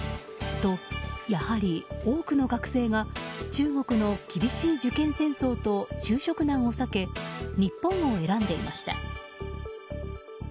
と、やはり多くの学生が中国の厳しい受験戦争と就職難を避け日本を選んでいました。